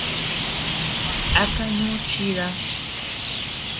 ¿A kanú chidad?